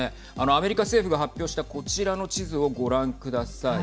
アメリカ政府が発表したこちらの地図をご覧ください。